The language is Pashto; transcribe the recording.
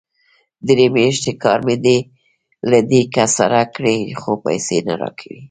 درې مياشتې کار مې له دې کس سره کړی، خو پيسې نه راکوي!